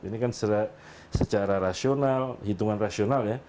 ini kan secara rasional hitungan rasional ya